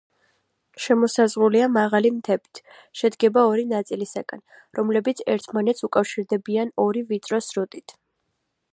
შემოსაზღვრულია მაღალი მთებით, შედგება ორი ნაწილისაგან, რომლებიც ერთმანეთს უკავშირდებიან ორი ვიწრო სრუტით.